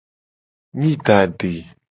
Mi da ade.